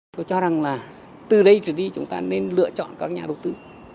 tôi cho rằng là từ đây trở đi chúng ta nên lựa chọn các nhà đầu tư